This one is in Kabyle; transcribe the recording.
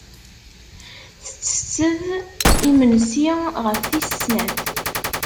Tettetted imensi ɣef tis sat.